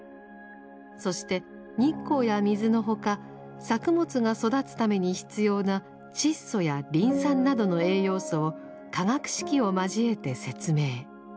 そして日光や水の他作物が育つために必要な窒素やリン酸などの栄養素を化学式を交えて説明。